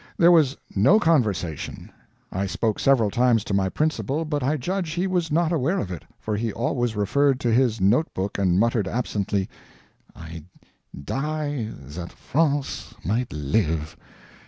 There was no conversation. I spoke several times to my principal, but I judge he was not aware of it, for he always referred to his note book and muttered absently, "I die that France might live."